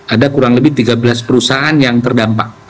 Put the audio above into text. ada kurang lebih tiga belas perusahaan yang terdampak